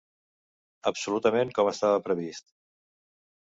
Absolutament com estava previst.